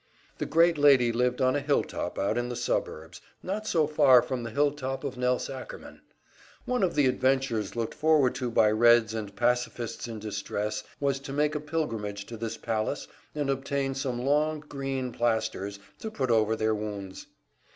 The great lady lived on a hilltop out in the suburbs, not so far from the hilltop of Nelse Ackerman. One of the adventures looked forward to by Reds and pacifists in distress was to make a pilgrimage to this palace and obtain some long, green plasters to put over their wounds.